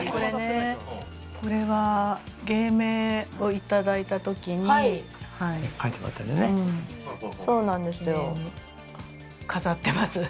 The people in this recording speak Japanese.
これは芸名をいただいた時に、記念に飾ってます。